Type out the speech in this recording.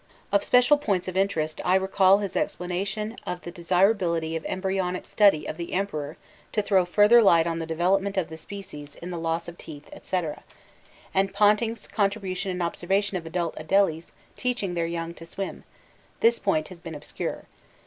Of special points of interest I recall his explanation of the desirability of embryonic study of the Emperor to throw further light on the development of the species in the loss of teeth, &c. and Ponting's contribution and observation of adult Adelies teaching their young to swim this point has been obscure.